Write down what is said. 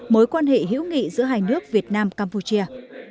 mối quan hệ hữu nghị giữa hai nước việt nam campuchia